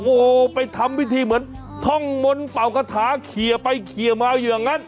โอ้โหไปทำพิธีเหมือนท่องมนต์เป่ากระถาเขียไปเคลียร์มาอย่างนั้น